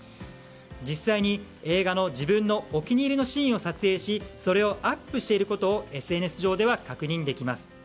実際に、映画の自分のお気に入りのシーンを撮影しそれをアップしていることがＳＮＳ上で確認できます。